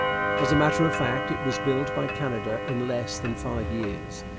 As a matter of fact, it was built by Canada in less than five years.